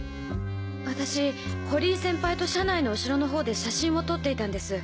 私堀井先輩と車内の後ろの方で写真を撮っていたんです。